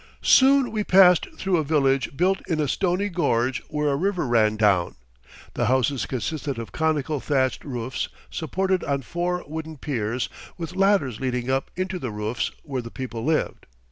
Soon we passed through a village built in a stony gorge where a river ran down. The houses consisted of conical thatched roofs supported on four wooden piers with ladders leading up into the roofs where the people lived.